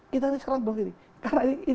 kita ini sekarang begini karena ini